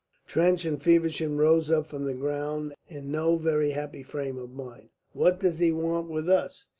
Trench and Feversham rose up from the ground in no very happy frame of mind. "What does he want with us?